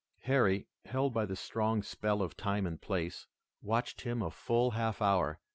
Harry, held by the strong spell of time and place, watched him a full half hour.